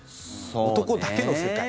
男だけの世界。